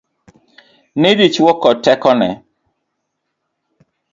Ni dichuo kod tekone.